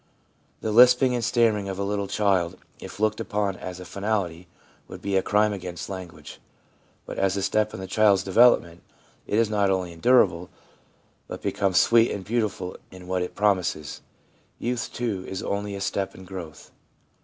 The lisping and stammering of a little child, if looked upon as a finality, would be a crime against language ; but as a step in the child's develop ment, it is not only endurable, but becomes sweet and beautiful in what it promises. Youth, too, is only a step in growth.